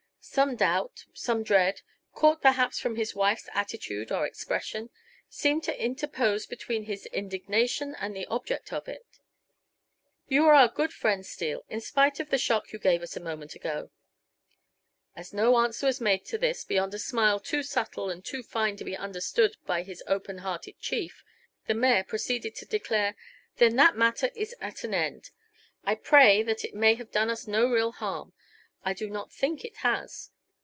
Some doubt, some dread caught perhaps from his wife's attitude or expression seemed to interpose between his indignation and the object of it. "You are our good friend, Steele, in spite of the shock you gave us a moment ago." As no answer was made to this beyond a smile too subtle and too fine to be understood by his openhearted chief, the mayor proceeded to declare: "Then that matter is at an end. I pray that it may have done us no real harm. I do not think it has.